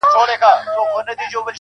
• هغې بېگاه زما د غزل کتاب ته اور واچوه.